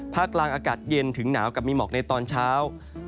กลางอากาศเย็นถึงหนาวกับมีหมอกในตอนเช้า